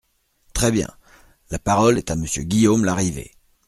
Très bien ! La parole est à Monsieur Guillaume Larrivé.